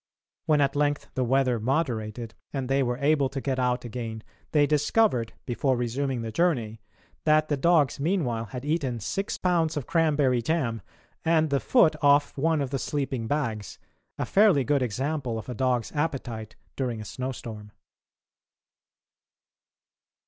When at length the weather moderated and they were able to get out again they discovered, before resuming the journey, that the dogs meanwhile had eaten six pounds of cranberry jam and the foot off one of the sleeping bags a fairly good example of a dog's appetite during a snowstorm.